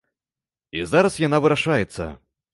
І зараз яна вырашаецца.